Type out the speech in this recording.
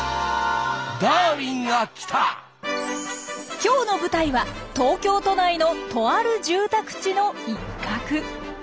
今日の舞台は東京都内のとある住宅地の一角。